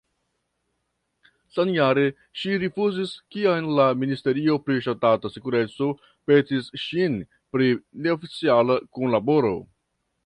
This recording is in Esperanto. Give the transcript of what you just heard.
Samjare ŝi rifuzis, kiam la ministerio pri ŝtata sekureco petis ŝin pri neoficiala kunlaboro.